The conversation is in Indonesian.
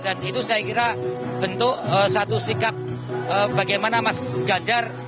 dan itu saya kira bentuk satu sikap bagaimana mas ganjar